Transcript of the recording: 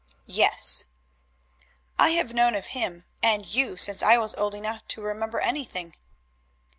"Yes." "I have known of him and you since I was old enough to remember anything."